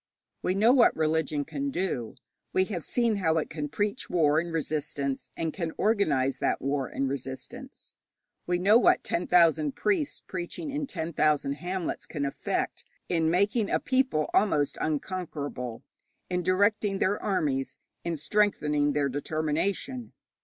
We know what religion can do. We have seen how it can preach war and resistance, and can organize that war and resistance. We know what ten thousand priests preaching in ten thousand hamlets can effect in making a people almost unconquerable, in directing their armies, in strengthening their determination.